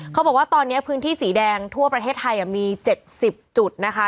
เขาบอกว่าตอนนี้พื้นที่สีแดงทั่วประเทศไทยมี๗๐จุดนะคะ